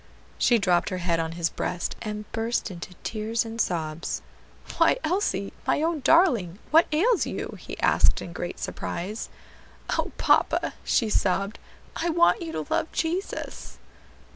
She dropped her head on his breast, and burst into tears and sobs. "Why, Elsie, my own darling, what ails you?" he asked in great surprise. "O papa!" she sobbed, "I want you to love Jesus."